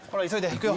行くよ。